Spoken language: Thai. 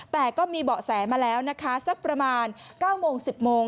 แต่ก็มีเบาะแสมาแล้วนะคะสักประมาณ๙โมง๑๐โมง